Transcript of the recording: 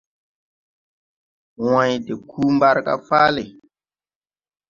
Wãyn de kuu mbarga fáale.